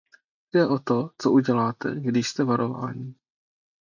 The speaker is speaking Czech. Jde o to, co uděláte, když jste varováni.